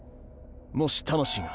もし魂が。